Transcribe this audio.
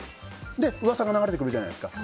で、噂が流れてくるじゃないですか。